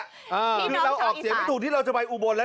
คือเราออกเสียงไม่ถูกที่เราจะไปอุบลแล้ว